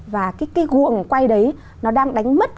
và cái guồng quay đấy nó đang đánh mất